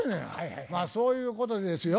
まあそういうことでですよ